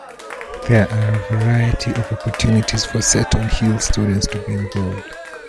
There are a variety of opportunities for Seton Hill students to be involved.